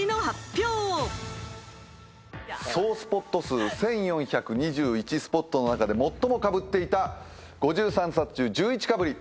総スポット数１，４２１スポットの中で最もかぶっていた５３冊中１１かぶり。